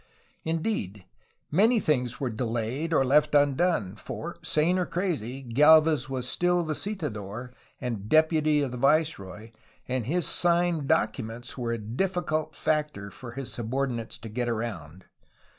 Indeed, many things were delayed or left undone, for, sane or crazy, Gdlvez was still visitador and deputy of the viceroy, and his signed documents were a difficult factor for his subordinates to get around.